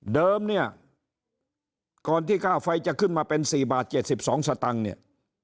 เดิมเนี่ยก่อนที่ค่าไฟจะขึ้นมาเป็น๔บาท๗๒สตังค์เนี่ย